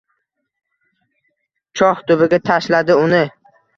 Choh tubiga tashladi uni.